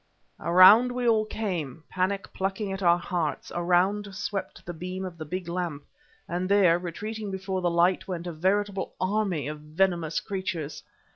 Around we all came, panic plucking at our hearts, around swept the beam of the big lamp; and there, retreating before the light, went a veritable army of venomous creatures!